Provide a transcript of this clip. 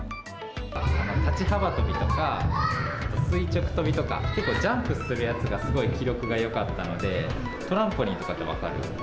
立ち幅跳びとか、あと垂直跳びとか、結構ジャンプするやつが、すごい記録がよかったので、トランポリン。